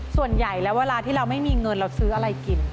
ส่วนใหญ่แล้วเวลาที่เราไม่มีเงินเราซื้ออะไรกิน